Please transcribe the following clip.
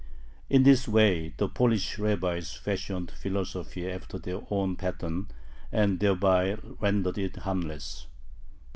In this way the Polish rabbis fashioned philosophy after their own pattern, and thereby rendered it "harmless."